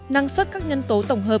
năng suất các nhân tố tổng hợp